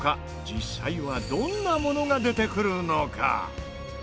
実際はどんなものが出てくるのか？